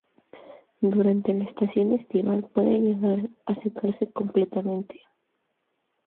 Durante la estación estival puede llegar a secarse completamente.